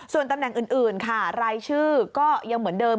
ส่วนตำแหน่งอื่นค่ะรายชื่อก็ยังเหมือนเดิม